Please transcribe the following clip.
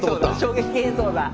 衝撃映像だ。